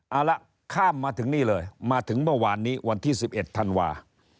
เอาละข้ามมาถึงนี่เลยมาถึงเมื่อวานนี้วันที่๑๑ธันวาคม